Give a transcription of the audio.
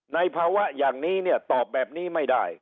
ภาวะอย่างนี้เนี่ยตอบแบบนี้ไม่ได้